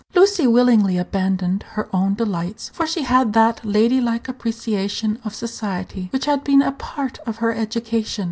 Lucy willingly abandoned her own delights, for she had that lady like appreciation of society which had been a part of her education.